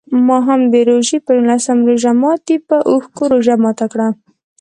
ما هم د روژې په نولسم روژه ماتي په اوښکو روژه ماته کړه.